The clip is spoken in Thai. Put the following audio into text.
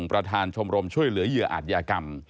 ประธานชมรมช่วยเหลือเหยื่ออาจยากรรม